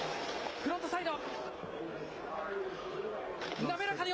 フロントサイド。